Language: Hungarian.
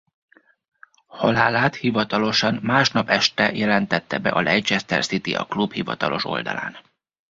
Halálát hivatalosan másnap este jelentette be a Leicester City a klub hivatalos oldalán.